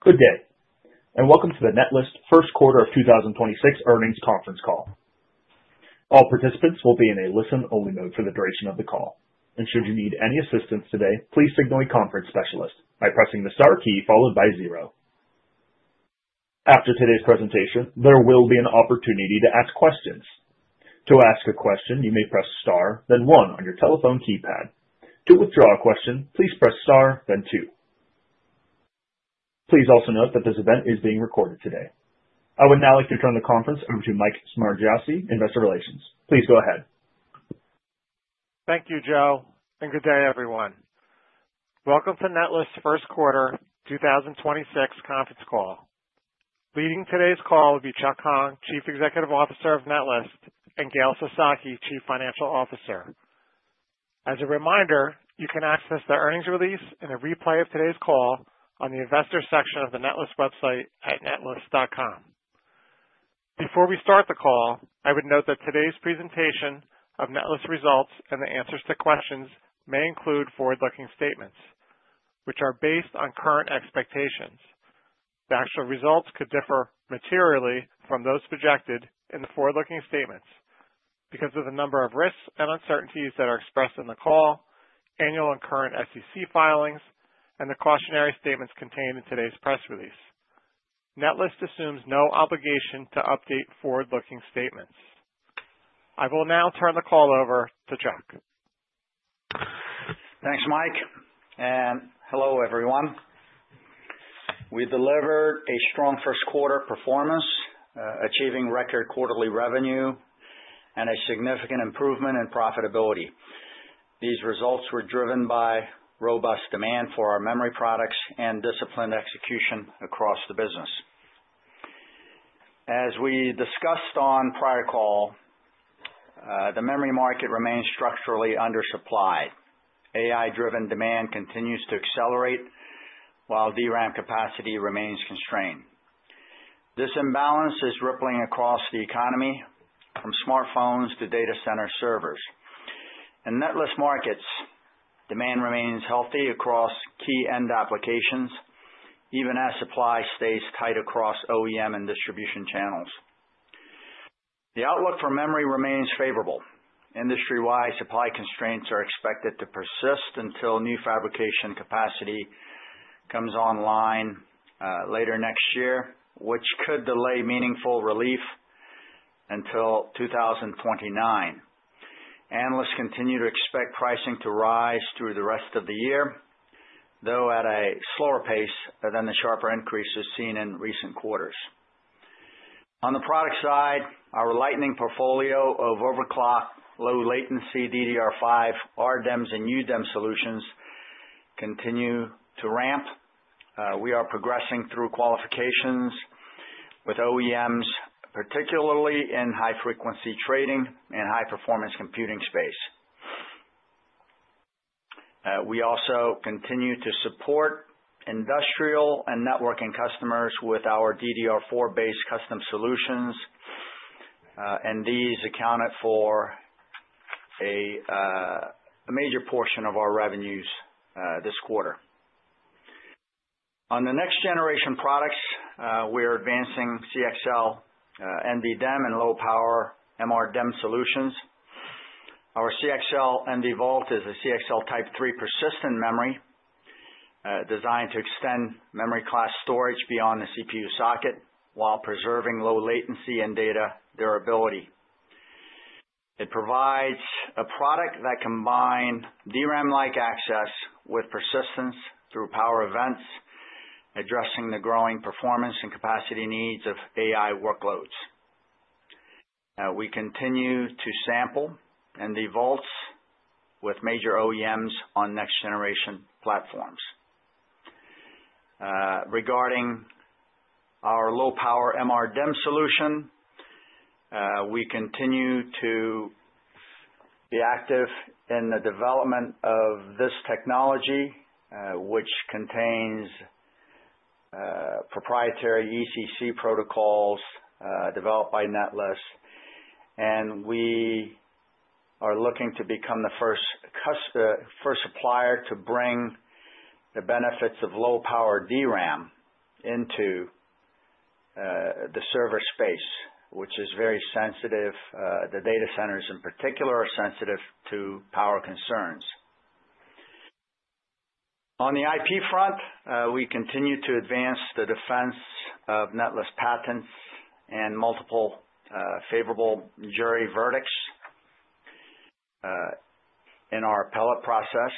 Good day. Welcome to the Netlist first quarter of 2026 earnings conference call. All participants will be in a listen-only mode for the duration of the call. Should you need any assistance today, please signal a conference specialist by pressing the star key followed by zero. After today's presentation, there will be an opportunity to ask questions. To ask a question, you may press star, then one on your telephone keypad. To withdraw a question, please press star, then two. Please also note that this event is being recorded today. I would now like to turn the conference over to Mike Smargiassi, Investor Relations. Please go ahead. Thank you, Joe, and good day, everyone. Welcome to Netlist first quarter 2026 conference call. Leading today's call will be Chuck Hong, Chief Executive Officer of Netlist, and Gail Sasaki, Chief Financial Officer. As a reminder, you can access the earnings release and a replay of today's call on the investor section of the Netlist website at netlist.com. Before we start the call, I would note that today's presentation of Netlist results and the answers to questions may include forward-looking statements, which are based on current expectations. The actual results could differ materially from those projected in the forward-looking statements because of the number of risks and uncertainties that are expressed in the call, annual and current SEC filings, and the cautionary statements contained in today's press release. Netlist assumes no obligation to update forward-looking statements. I will now turn the call over to Chuck. Thanks, Mike, and hello, everyone. We delivered a strong first quarter performance, achieving record quarterly revenue and a significant improvement in profitability. These results were driven by robust demand for our memory products and disciplined execution across the business. As we discussed on prior call, the memory market remains structurally undersupplied. AI-driven demand continues to accelerate while DRAM capacity remains constrained. This imbalance is rippling across the economy, from smartphones to data center servers. In Netlist markets, demand remains healthy across key end applications, even as supply stays tight across OEM and distribution channels. The outlook for memory remains favorable. Industry-wide supply constraints are expected to persist until new fabrication capacity comes online later next year, which could delay meaningful relief until 2029. Analysts continue to expect pricing to rise through the rest of the year, though at a slower pace than the sharper increases seen in recent quarters. On the product side, our Lightning portfolio of overclock, low latency DDR5 RDIMMs and UDIMM solutions continue to ramp. We are progressing through qualifications with OEMs, particularly in high-frequency trading and high-performance computing space. We also continue to support industrial and networking customers with our DDR4-based custom solutions, and these accounted for a major portion of our revenues this quarter. On the next generation products, we're advancing CXL, NVDIMM and low power MRDIMM solutions. Our CXL NVvault is a CXL Type 3 persistent memory designed to extend memory class storage beyond the CPU socket while preserving low latency and data durability. It provides a product that combine DRAM-like access with persistence through power events, addressing the growing performance and capacity needs of AI workloads. We continue to sample NVvaults with major OEMs on next generation platforms. Regarding our low power MRDIMM solution, we continue to be active in the development of this technology, which contains proprietary ECC protocols developed by Netlist, and we are looking to become the first supplier to bring the benefits of low-power DRAM into the server space, which is very sensitive. The data centers in particular are sensitive to power concerns. On the IP front, we continue to advance the defense of Netlist patents and multiple favorable jury verdicts in our appellate process.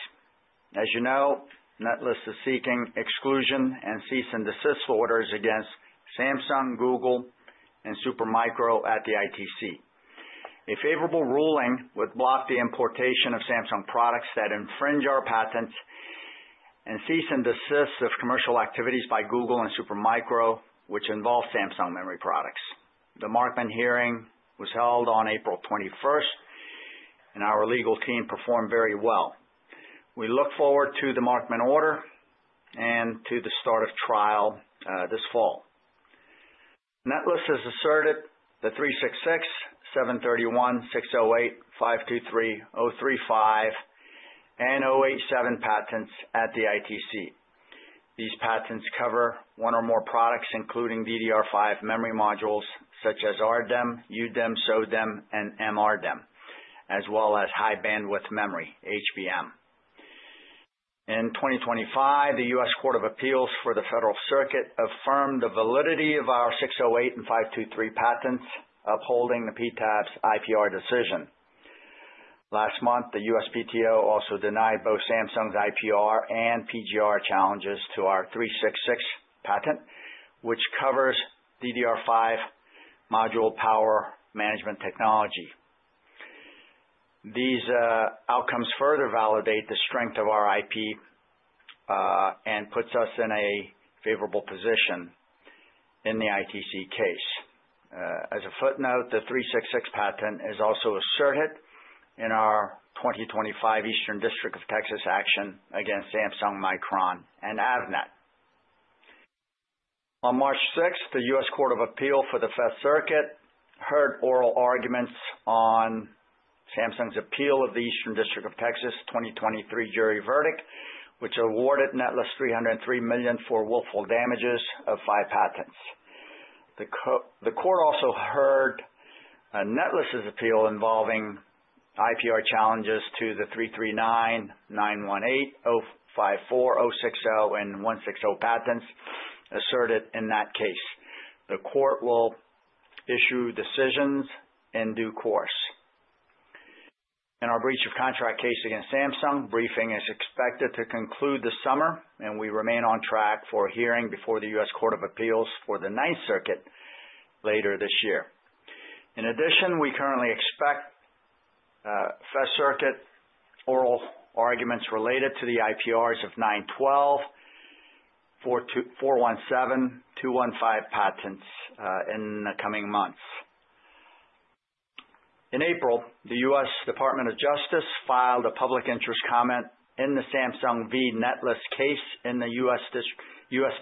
As you know, Netlist is seeking exclusion and cease and desist orders against Samsung, Google, and Supermicro at the ITC. A favorable ruling would block the importation of Samsung products that infringe our patents and cease and desist of commercial activities by Google and Supermicro, which involve Samsung memory products. The Markman hearing was held on April 21st, and our legal team performed very well. We look forward to the Markman order and to the start of trial this fall. Netlist has asserted the 366, 731, 608, 523, 035, and 087 patents at the ITC. These patents cover one or more products, including DDR5 memory modules such as RDIMM, UDIMM, SO-DIMM, and MRDIMM, as well as high-bandwidth memory, HBM. In 2025, the United States Court of Appeals for the Federal Circuit affirmed the validity of our 608 and 523 patents upholding the PTAB's IPR decision. Last month, the USPTO also denied both Samsung's IPR and PGR challenges to our 366 patent, which covers DDR5 module power management technology. These outcomes further validate the strength of our IP and puts us in a favorable position in the ITC case. As a footnote, the 366 patent is also asserted in our 2025 Eastern District of Texas action against Samsung, Micron, and Avnet. On March 6th, the U.S. Court of Appeals for the Fifth Circuit heard oral arguments on Samsung's appeal of the Eastern District of Texas 2023 jury verdict, which awarded Netlist $303 million for willful damages of five patents. The court also heard Netlist's appeal involving IPR challenges to the 339, 918, 054, 060, and 160 patents asserted in that case. The court will issue decisions in due course. In our breach of contract case against Samsung, briefing is expected to conclude this summer, and we remain on track for a hearing before the United States Court of Appeals for the Ninth Circuit later this year. In addition, we currently expect Fifth Circuit oral arguments related to the IPRs of 912, 417, 215 patents in the coming months. In April, the United States Department of Justice filed a public interest comment in the Samsung v. Netlist case in the United States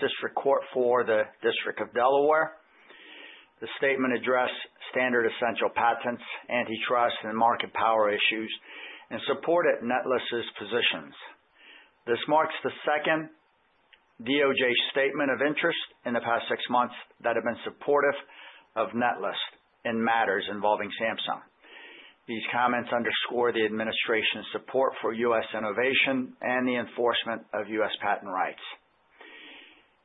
District Court for the District of Delaware. The statement addressed standard essential patents, antitrust, and market power issues and supported Netlist's positions. This marks the second DOJ statement of interest in the past six months that have been supportive of Netlist in matters involving Samsung. These comments underscore the administration's support for U.S. innovation and the enforcement of U.S. patent rights.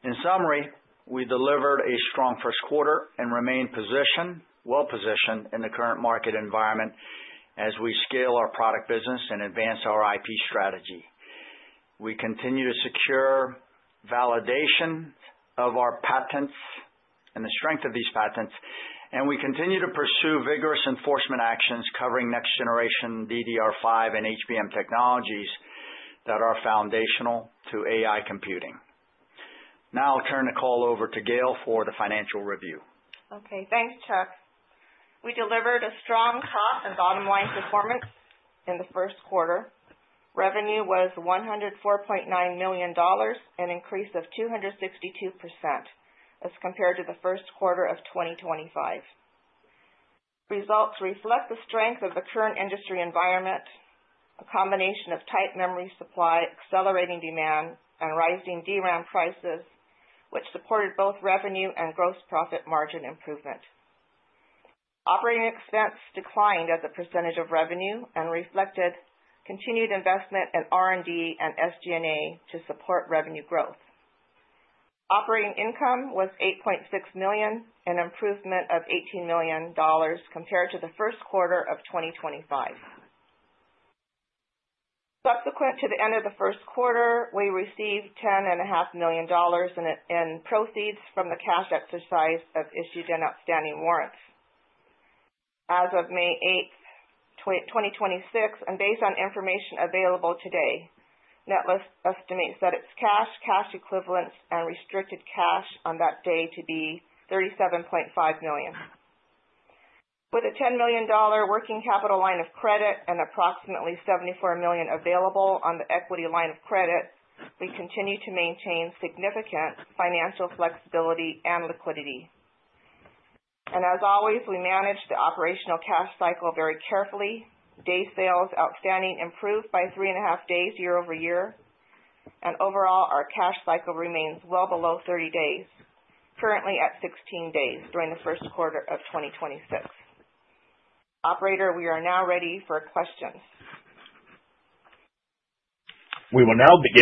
In summary, we delivered a strong first quarter and remain positioned, well-positioned in the current market environment as we scale our product business and advance our IP strategy. We continue to secure validation of our patents and the strength of these patents, and we continue to pursue vigorous enforcement actions covering next-generation DDR5 and HBM technologies that are foundational to AI computing. Now I'll turn the call over to Gail for the financial review. Okay. Thanks, Chuck. We delivered a strong top and bottom line performance in the first quarter. Revenue was $104.9 million, an increase of 262% as compared to the first quarter of 2025. Results reflect the strength of the current industry environment, a combination of tight memory supply, accelerating demand, and rising DRAM prices, which supported both revenue and gross profit margin improvement. Operating expense declined as a percentage of revenue and reflected continued investment in R&D and SG&A to support revenue growth. Operating income was $8.6 million, an improvement of $18 million compared to the first quarter of 2025. Subsequent to the end of the first quarter, we received ten and a half million dollars in proceeds from the cash exercise of issued and outstanding warrants. As of May 8th, 2026, and based on information available today, Netlist estimates that its cash equivalents, and restricted cash on that day to be $37.5 million. With a $10 million working capital line of credit and approximately $74 million available on the equity line of credit, we continue to maintain significant financial flexibility and liquidity. As always, we manage the operational cash cycle very carefully. Day sales outstanding improved by three and a half days year-over-year. Overall, our cash cycle remains well below 30 days, currently at 16 days during the first quarter of 2026. Operator, we are now ready for questions. At this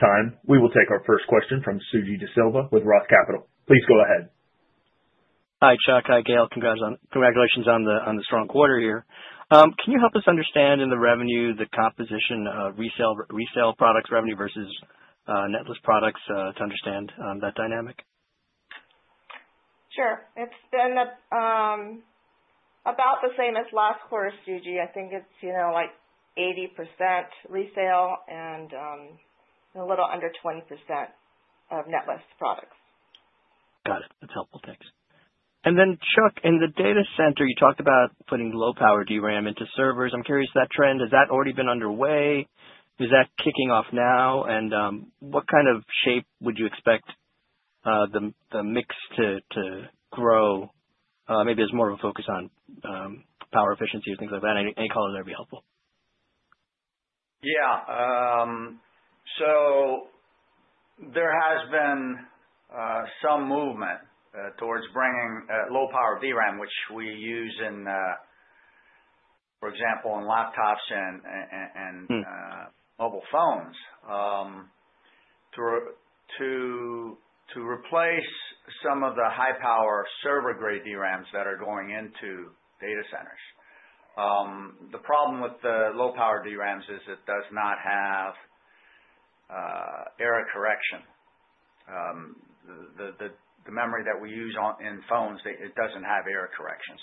time, we will take our first question from Suji Desilva with Roth Capital. Please go ahead. Hi, Chuck. Hi, Gail. Congratulations on the strong quarter here. Can you help us understand in the revenue the composition of resale products revenue versus Netlist products to understand that dynamic? Sure. It's been about the same as last quarter, Suji. I think it's, you know, like 80% resale and a little under 20% of Netlist products. Got it. That's helpful. Thanks. Chuck, in the data center, you talked about putting low power DRAM into servers. I'm curious, that trend, has that already been underway? Is that kicking off now? What kind of shape would you expect the mix to grow? Maybe there's more of a focus on power efficiency or things like that. Any color there would be helpful. There has been some movement towards bringing low power DRAM, which we use in, for example, in laptops and mobile phones, to replace some of the high power server grade DRAMs that are going into data centers. The problem with the low power DRAMs is it does not have error correction. The memory that we use on, in phones, it doesn't have error correction.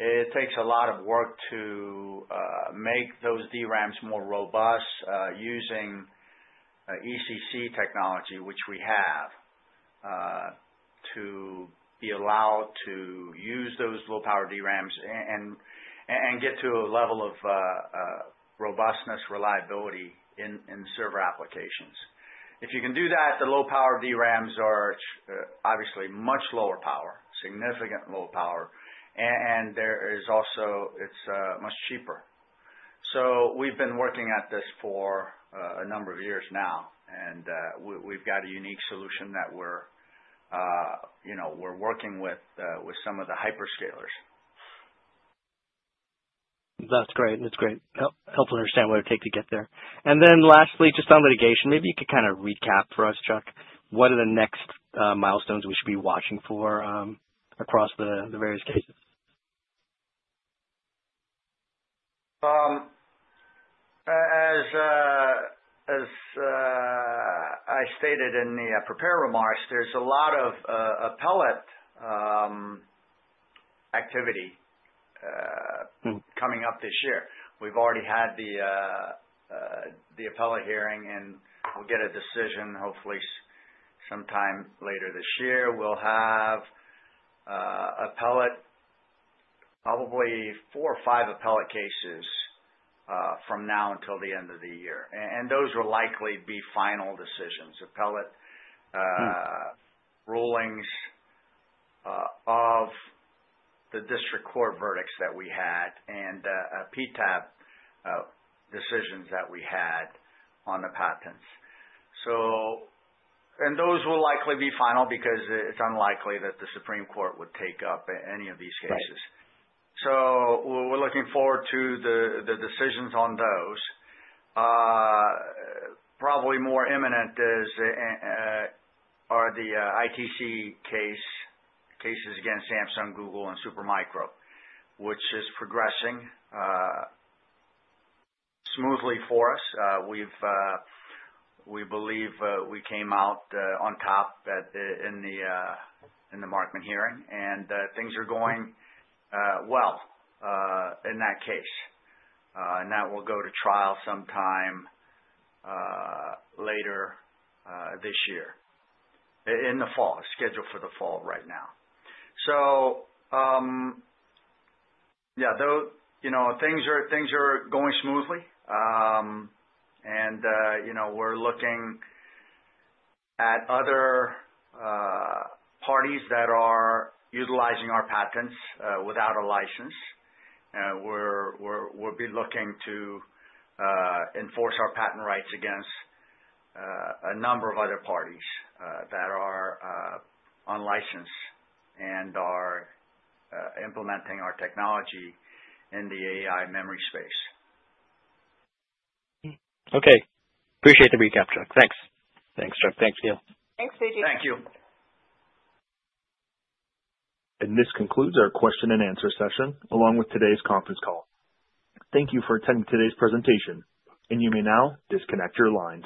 It takes a lot of work to make those DRAMs more robust, using ECC technology, which we have, to be allowed to use those low power DRAMs and get to a level of robustness, reliability in server applications. If you can do that, the low power DRAMs are obviously much lower power, significant lower power. There is also it's much cheaper. We've been working at this for a number of years now, and we've got a unique solution that we're, you know, we're working with some of the hyperscalers. That's great. That's great. Helpful to understand what it takes to get there. Lastly, just on litigation, maybe you could kind of recap for us, Chuck, what are the next milestones we should be watching for across the various cases? As I stated in the prepared remarks, there's a lot of appellate activity. -coming up this year. We've already had the appellate hearing, and we'll get a decision hopefully sometime later this year. We'll have appellate, probably four or five appellate cases, from now until the end of the year. Those will likely be final decisions. Appellate rulings of the district court verdicts that we had and PTAB decisions that we had on the patents. Those will likely be final because it's unlikely that the Supreme Court would take up any of these cases. We're looking forward to the decisions on those. Probably more imminent are the ITC cases against Samsung, Google and Super Micro, which is progressing smoothly for us. We've, we believe, we came out on top in the Markman hearing. Things are going well in that case, and that will go to trial sometime later this year. In the fall. It's scheduled for the fall right now. You know, things are going smoothly. You know, we're looking at other parties that are utilizing our patents without a license. We'll be looking to enforce our patent rights against a number of other parties that are unlicensed and are implementing our technology in the AI memory space. Okay. Appreciate the recap, Chuck. Thanks. Thanks, Chuck. Thanks, Gail. Thank you. This concludes our question and answer session, along with today's conference call. Thank you for attending today's presentation, and you may now disconnect your lines.